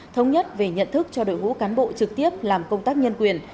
thống nhất về nhận thức cho đội ngũ cán bộ trực tiếp làm công tác nhân quyền